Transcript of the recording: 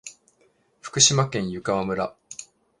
福島県湯川村